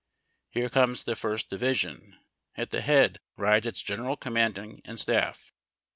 Here comes the First Division. At the head rides its general commanding and stafl".